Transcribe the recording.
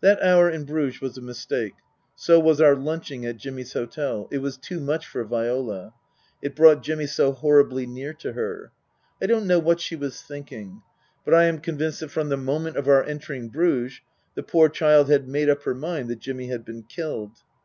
That hour in Bruges was a mistake ; so was our lunch ing at Jimmy's hotel. It was too much for Viola. It brought Jimmy so horribly near to her. I don't know what she was thinking, but I am convinced that from the moment of our entering Bruges the poor child had made up her mind that Jimmy had been killed.